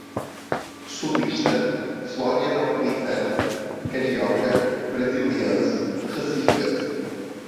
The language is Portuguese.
sulista, florianopolitano, carioca, brasiliense, recifense